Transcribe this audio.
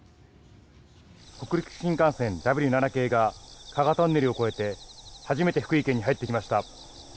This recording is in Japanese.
北陸新幹線、Ｗ７系が加賀トンネルを越えて初めて福井県に入ってきました。